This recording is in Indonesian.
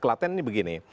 klaten ini begini